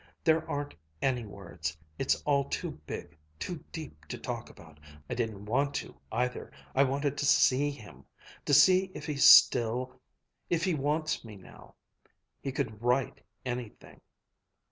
There aren't any words. It's all too big, too deep to talk about. I didn't want to, either. I wanted to see him to see if he still, if he wants me now. He could write anything.